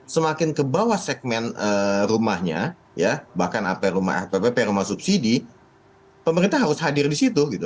semakin ke bawah segmen rumahnya bahkan app rumah subsidi pemerintah harus hadir di situ gitu